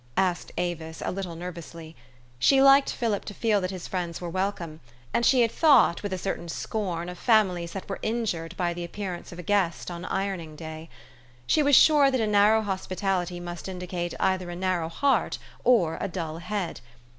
asked Avis a little nervously. She liked Philip to feel that his friends were welcome ; and she had thought, with a certain scorn, of families that were injured by the appearance of a guest on ironing da3 T . She was sure that a narrow hospitality must indicate either a narrow heart or a dull head.